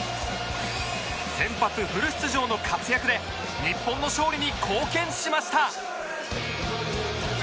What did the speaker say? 先発フル出場の活躍で日本の勝利に貢献しました